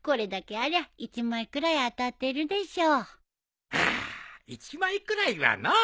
ああ１枚くらいはのう。